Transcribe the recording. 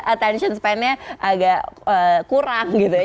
attention span nya agak kurang gitu ya